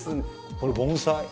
これ盆栽。